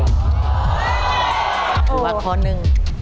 นี่แหวะคนหนึ่ง